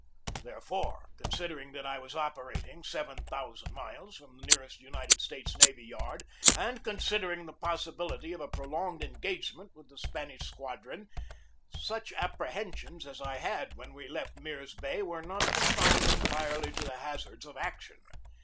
Therefore, considering that I was operating seven thousand miles from the nearest United States navy yard, and considering the possibility of a prolonged engagement with the Spanish squadron, such appre hensions as I had when we left Mirs Bay were not confined entirely to the hazards of action.